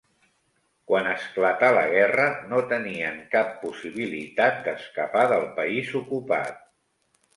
Quan esclatà la guerra, no tenien cap possibilitat d'escapar del país ocupat.